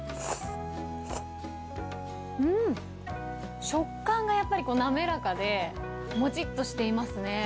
うーん、食感がやっぱり滑らかで、もちっとしていますね。